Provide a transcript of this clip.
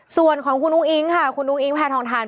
ส่วนของคุณอุ้งอิ๊งค่ะคุณอุ้งอิงแพทองทาน